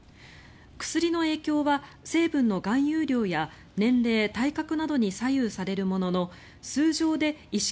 薬の影響は成分の含有量や年齢・体格などに左右されるものの数錠で意識